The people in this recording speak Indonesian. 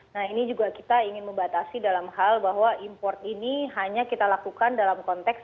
nah ini juga kita ingin membatasi dalam hal bahwa import ini hanya kita lakukan dalam konteks